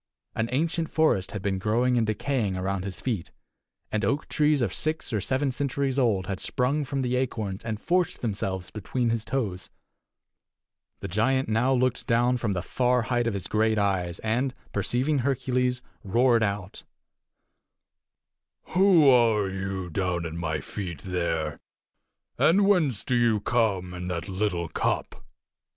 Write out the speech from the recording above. An ancient forest had been growing and decaying around his feet, and oak trees of six or seven centuries old had sprung from the acorns, and forced themselves between his toes. The giant now looked down from the far height of his great eyes, and, perceiving Hercules, roared out: "Who are you, down at my feet, there? And whence do you come in that little cup?"